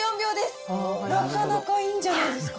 なかなかいいんじゃないですか？